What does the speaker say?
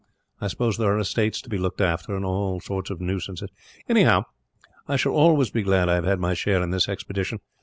I suppose there are estates to be looked after, and all sorts of nuisances. "Anyhow, I shall always be glad I have had my share in this expedition.